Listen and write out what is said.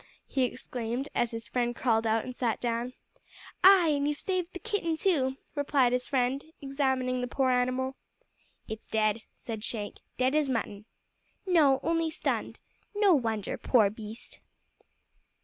he exclaimed, as his friend crawled out and sat down. "Ay, an' you've saved the kitten too!" replied his friend, examining the poor animal. "It's dead," said Shank; "dead as mutton." "No, only stunned. No wonder, poor beast!"